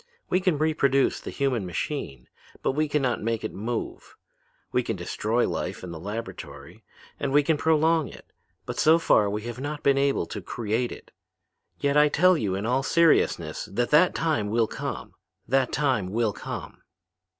We can reproduce the human machine, but we can not make it move. We can destroy life in the laboratory, and we can prolong it, but so far we have not been able to create it. Yet I tell you in all seriousness that that time will come; that time will come.'